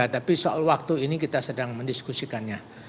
tapi soal waktu ini kita sedang mendiskusikannya